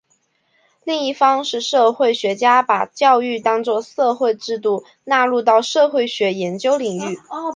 另一方是社会学家把教育当作社会制度纳入到社会学研究领域。